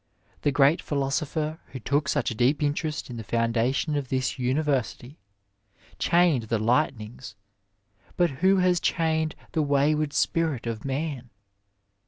The gseat philosopher who took such a deep interest in the foundation of this University, chained the lightnings, but who has chained the wayward spirit of man